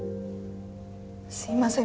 すいません。